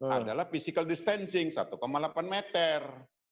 adalah physical distancing satu delapan meter